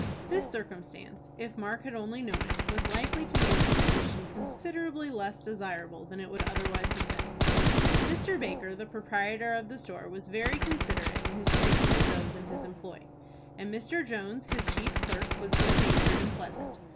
This circumstance, if Mark had only known it, was likely to make his position considerably less desirable than it would otherwise have been. Mr. Baker, the proprietor of the store, was very considerate in his treatment of those in his employ, and Mr. Jones, his chief clerk, was good natured and pleasant.